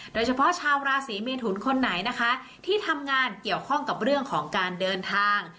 โดยเฉพาะชาวราศีเมทุนคนไหนนะคะที่ทำงานเกี่ยวข้องกับเรื่องของการเดินทาง